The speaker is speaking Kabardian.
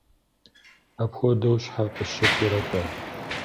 Апхуэдэу щхьэ къысщыхъурэ-тӏэ?